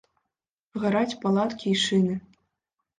Гараць палаткі і шыны.